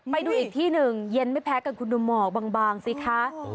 ไปดูอีกที่หนึ่งเย็นไม่แพ้กับคุณดูหมอกบางสิคะ